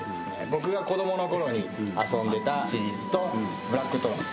僕が子どものころに遊んでたシリーズとブラックトロン